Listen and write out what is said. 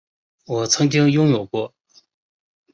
我曾经拥有过